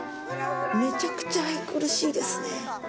めちゃくちゃ愛くるしいですね。